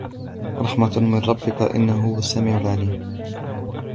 رَحْمَةً مِنْ رَبِّكَ إِنَّهُ هُوَ السَّمِيعُ الْعَلِيمُ